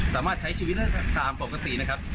สามารถใช้ชีวิตได้ตามปกตินะครับ